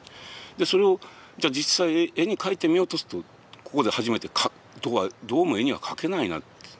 でそれを実際絵に描いてみようとするとここで初めてどうも絵には描けないなって。